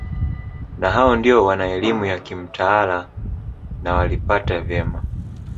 Na hao ndio wana elimu ya kimtaala na waliipata vyema